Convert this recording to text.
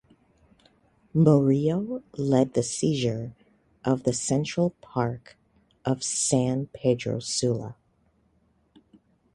Murillo led the seizure of the central park of San Pedro Sula.